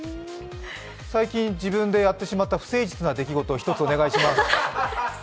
最近、自分でやってしまった不誠実な出来事を１つお願いします